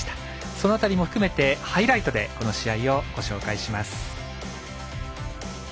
その辺りも含めてハイライトでこの試合をご紹介します。